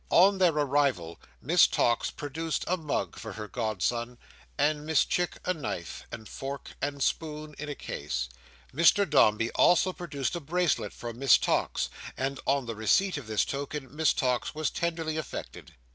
On their arrival Miss Tox produced a mug for her godson, and Mr Chick a knife and fork and spoon in a case. Mr Dombey also produced a bracelet for Miss Tox; and, on the receipt of this token, Miss Tox was tenderly affected.